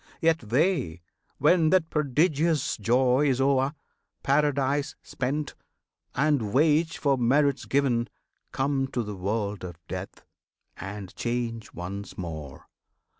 Yet they, when that prodigious joy is o'er, Paradise spent, and wage for merits given, Come to the world of death and change once more.